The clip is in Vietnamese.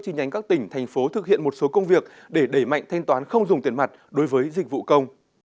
chi nhánh các tỉnh thành phố thực hiện một số công việc để đẩy mạnh thanh toán không dùng tiền mặt đối với dịch vụ công